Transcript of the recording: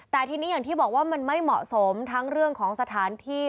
แต่ทีนี้อย่างที่บอกว่ามันไม่เหมาะสมทั้งเรื่องของสถานที่